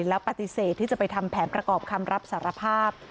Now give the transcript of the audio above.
แล้วปฏิเสธที่จะไปทำแผนประกอบคำรับสารภาพ